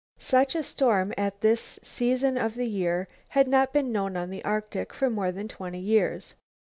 Such a storm at this season of the year had not been known on the Arctic for more than twenty years.